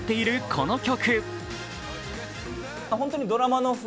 この曲。